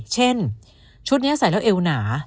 เช่นชุดนี้ใส่แล้วเอวหนา